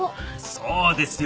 そうですよ